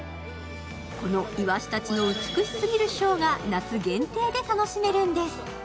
このいわしたちの美しすぎるショーが夏限定で楽しめるんです。